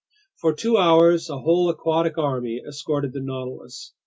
For two hours a whole aquatic army escorted the Nautilus.